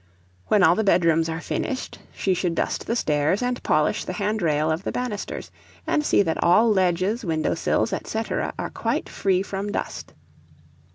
When all the bedrooms are finished, she should dust the stairs, and polish the handrail of the banisters, and see that all ledges, window sills, &c., are quite free from dust.